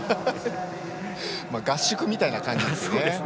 合宿みたいな感じですね。